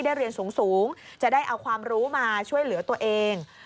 เรียนสูงจะได้เอาความรู้มาช่วยเหลือตัวเอง